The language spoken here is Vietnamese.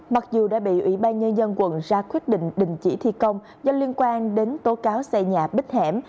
mặc dù đã bị ủy ban nhân dân quận ra quyết định đình chỉ thi công do liên quan đến tố cáo xây nhà bích hẻm